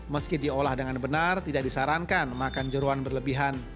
meski diolah dengan benar tidak disarankan makan jeruan berlebihan